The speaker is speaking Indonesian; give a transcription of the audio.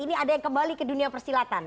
ini ada yang kembali ke dunia persilatan